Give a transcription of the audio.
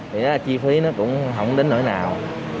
thì đó là chi phí nó cũng không đến nỗi nào